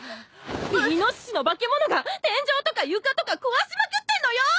イノシシの化け物が天井とか床とか壊しまくってんのよ！